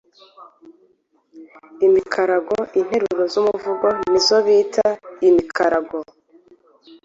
Imikarago: Interuro z’umuvugo ni zo bita imikarago,